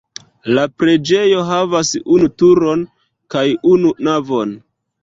La preĝejo havas unu turon kaj unu navon.